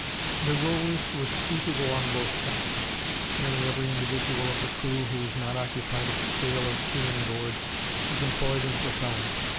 The rowers were seated along both sides. Nearly every individual of the crew, who was not occupied at the sail or steering board, was employed in propelling.